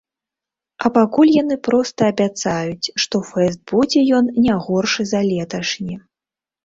А пакуль яны проста абяцаюць, што фэст будзе ён не горшы за леташні.